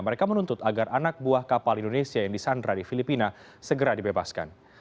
mereka menuntut agar anak buah kapal indonesia yang disandra di filipina segera dibebaskan